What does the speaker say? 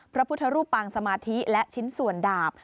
พระพุทธรูปปางสมาธิและชิ้นส่วนดาบ